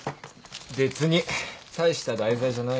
別に大した題材じゃないよ。